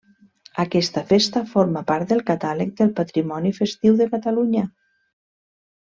Aquesta festa forma part del Catàleg del Patrimoni Festiu de Catalunya.